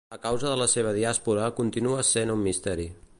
La causa de la seva diàspora continua essent un misteri.